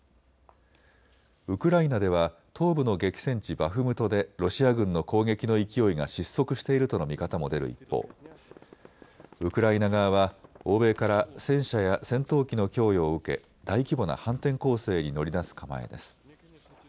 ウクライナでは東部の激戦地、バフムトでロシア軍の攻撃の勢いが失速しているとの見方も出る一方、ウクライナ側は欧米から戦車や戦闘機の供与を受け大規模な反転攻勢に乗り出す構えです。